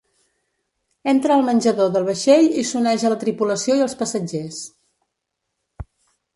Entra al menjador del vaixell i s'uneix a la tripulació i als passatgers.